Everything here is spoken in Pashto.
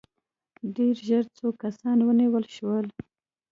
ډېر ژر څو کسان ونیول شول.